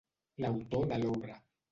L'autor de l'obra.